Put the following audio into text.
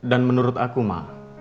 dan menurut aku ma